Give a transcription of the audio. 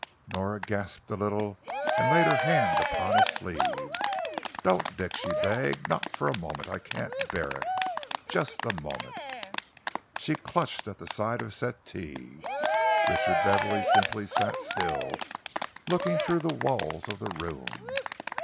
Nora gasped a little and laid her hand upon his sleeve. "Don't, Dick," she begged, "not for a moment. I can't bear it. Just a moment." She clutched at the side of the settee. Richard Beverley simply sat still, looking through the walls of the room.